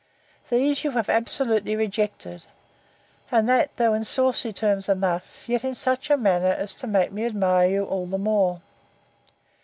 These you have absolutely rejected; and that, though in saucy terms enough, yet in such a manner as makes me admire you the more.